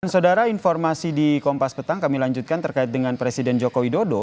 saudara informasi di kompas petang kami lanjutkan terkait dengan presiden joko widodo